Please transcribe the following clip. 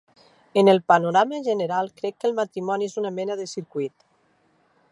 En el panorama general, crec que el "matrimoni" és una mena de circuit.